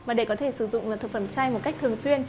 và để có thể sử dụng thực phẩm chay một cách thường xuyên